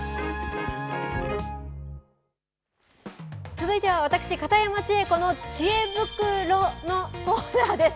続いては私、片山千恵子のちえ袋のコーナーです。